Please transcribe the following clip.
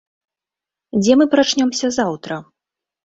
Дзе мы прачнёмся заўтра?